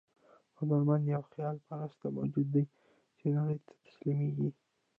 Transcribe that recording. هنرمند یو خیال پرست موجود دی چې نړۍ ته تسلیمېږي.